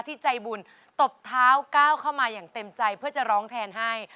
ใจบุญตบเท้าก้าวเข้ามาอย่างเต็มใจเพื่อจะร้องแทนให้